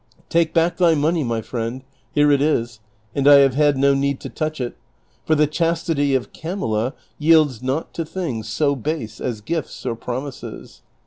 Take back thy money, my friend ; here it is, and I have had no need to touch it, for the chastity of Camilla yields not to things so base as gifts or promises.